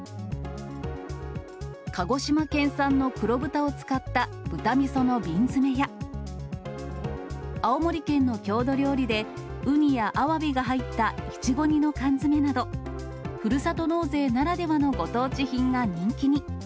鹿児島県産の黒豚を使った豚みその瓶詰や、青森県の郷土料理で、ウニやアワビが入ったいちご煮の缶詰など、ふるさと納税ならではのご当地品が人気に。